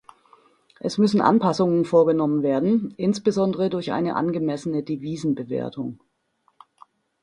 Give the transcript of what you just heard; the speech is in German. Es müssen Anpassungen vorgenommen werden, insbesondere durch eine angemessene Devisenbewertung.